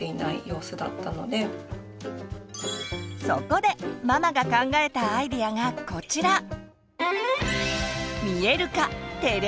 そこでママが考えたアイデアがこちら！